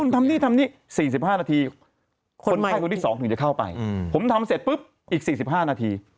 ทำนี่ทำนี่๔๕นาทีคนไข้คนที่๒ถึงจะเข้าไปผมทำเสร็จปุ๊บอีก๔๕นาที